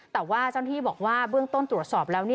แต่ว่าเจ้าหน้าที่บอกว่าเบื้องต้นตรวจสอบแล้ว